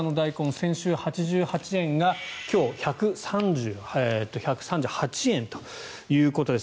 先週、８８円が今日、１３８円ということです。